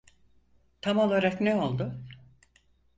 Tam olarak ne oldu?